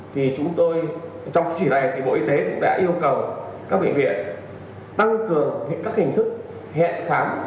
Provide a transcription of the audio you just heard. thì chúng tôi trong chỉ này thì bộ y tế cũng đã yêu cầu các bệnh viện tăng cường các hình thức hẹn khám